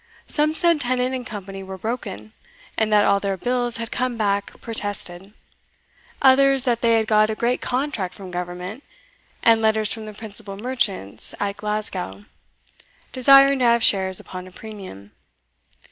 Some said Tennant and Co. were broken, and that all their bills had come back protested others that they had got a great contract from Government, and letters from the principal merchants at Glasgow, desiring to have shares upon a premium.